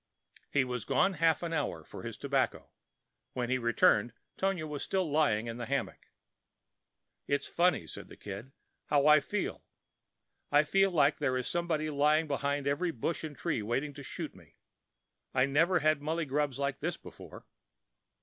He was gone half an hour for his tobacco. When he returned Tonia was still lying in the hammock. "It's funny," said the Kid, "how I feel. I feel like there was somebody lying behind every bush and tree waiting to shoot me. I never had mullygrubs like them before.